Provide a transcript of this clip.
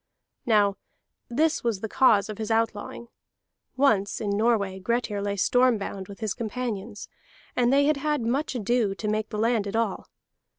"Now this was the cause of his outlawing. Once in Norway Grettir lay storm bound with his companions, and they had had much ado to make the land at all.